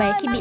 ôi trời ơi